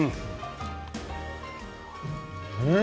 うん。